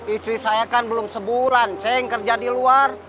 istri saya kan belum sebulan ceng kerja di luar